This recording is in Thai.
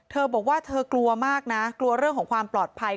เธอบอกว่าเธอกลัวมากนะกลัวเรื่องของความปลอดภัย